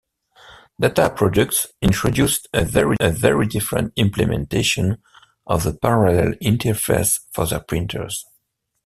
Dataproducts introduced a very different implementation of the parallel interface for their printers.